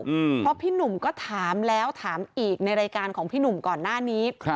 เพราะพี่หนุ่มก็ถามแล้วถามอีกในรายการของพี่หนุ่มก่อนหน้านี้ครับ